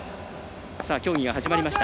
競技が始まりました。